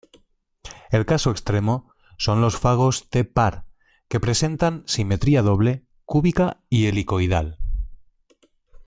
El caso extremo son los fagos "T-par" que presentan simetría doble, cúbica y helicoidal.